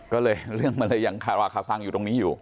ก็เลยเรื่องมันเลยยังคาราคาซังอยู่ตรงนี้อยู่